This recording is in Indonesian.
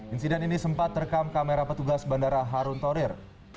insiden ini sempat terekam kamera petugas bandara harun torir